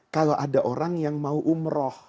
kalau ada orang yang tidak bisa diperlukan